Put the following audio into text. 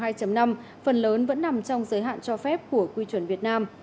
phần lớn vẫn nằm trong giới hạn cho phép của quy chuẩn việt nam